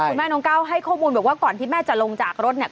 คุณแม่น้องก้าวให้ข้อมูลบอกว่าก่อนที่แม่จะลงจากรถเนี่ย